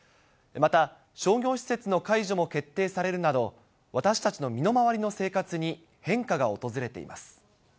また商業施設の解除も決定されるなど、私たちの身の回りの生活に変化が訪れています。